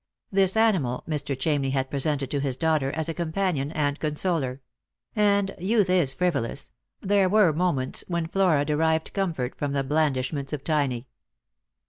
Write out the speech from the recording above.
This animal Mr. Chamney had presented to his daughter as a companion and consoler ; and — youth is frivolous — there were moments when Flora derived comfort from the blandishments of Tiny.